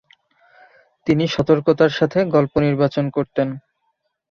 তিনি সতর্কতার সাথে গল্প নির্বাচন করতেন।